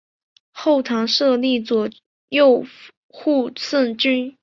后唐设立左右护圣军。